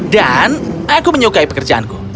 dan aku menyukai pekerjaanku